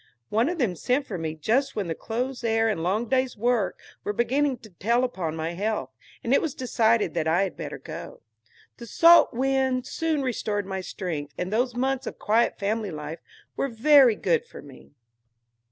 One of them sent for me just when the close air and long days' work were beginning to tell upon my health, and it was decided that I had better go. The salt wind soon restored my strength, and those months of quiet family life were very good for me.